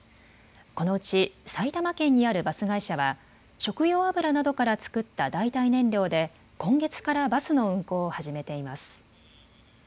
このうち埼玉県にあるバス会社は食用油などから作った代替燃料で今月からバスの運行を始めています。